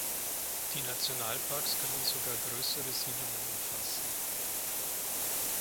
Die Nationalparks können sogar größere Siedlungen umfassen.